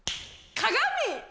鏡。